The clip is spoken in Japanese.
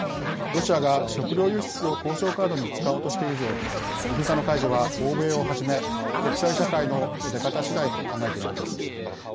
ロシアが食糧輸出を交渉カードに使おうとしている以上封鎖の解除は、欧米をはじめ国際社会の出方しだいと考えているようです。